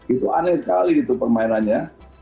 itu aneh sekali itu permainannya